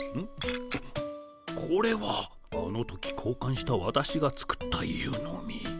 これはあの時こうかんしたわたしが作った湯飲み。